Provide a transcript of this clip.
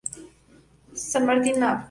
San Martín y Av.